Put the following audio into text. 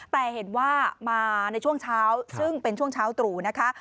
แต่เห็นว่ามาในช่วงเช้าซึ่งเป็นช่วงเช้าตรู่นะคะ